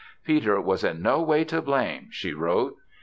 "Peter was in no way to blame," she wrote.